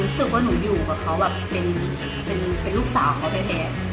เป็นลูกสาวของเขาแท้